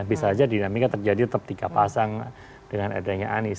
bisa saja dinamika terjadi tetap tiga pasang dengan adanya anies